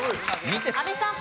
阿部さん。